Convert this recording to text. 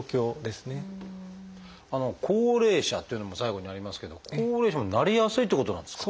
「高齢者」っていうのも最後にありますけども高齢者もなりやすいってことなんですか？